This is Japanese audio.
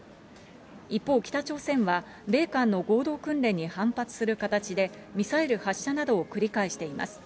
一方、北朝鮮は米韓の合同訓練に反発する形で、ミサイル発射などを繰り返しています。